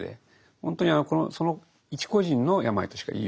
本当にその一個人の病としか言いようがないと。